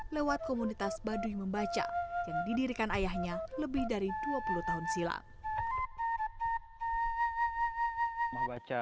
lewat komunitas baduy membaca yang didirikan ayahnya lebih dari dua puluh tahun silam